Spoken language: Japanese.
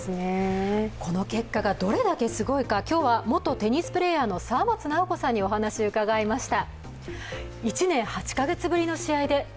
この結果がどれだけすごいか今日は元テニスプレーヤーの沢松菜生子さんにお話いただきました。